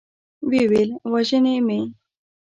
ويې ويل: وژني مې؟